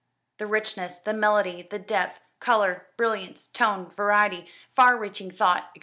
The richness, the melody, the depth, colour, brilliance, tone, variety, far reaching thought, &c.